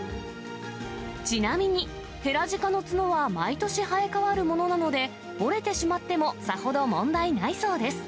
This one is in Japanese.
ちなみに、ヘラジカの角は毎年生え変わるものなので、折れてしまってもさほど問題ないそうです。